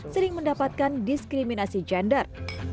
sering mendapatkan diskriminasi gender